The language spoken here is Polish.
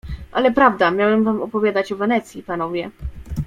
"Ale prawda, miałem wam opowiadać o Wenecji, panowie."